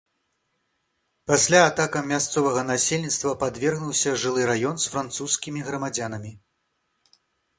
Пасля атакам мясцовага насельніцтва падвергнуўся жылы раён з французскімі грамадзянамі.